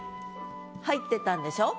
入ってたんでしょ？